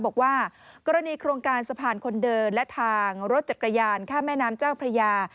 บอกว่ากรณีโครงการสะพานคนเดินและทางรถจักรยานข้ามแม่น้ำเจ้าพระยา